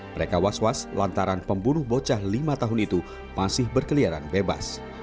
mereka was was lantaran pembunuh bocah lima tahun itu masih berkeliaran bebas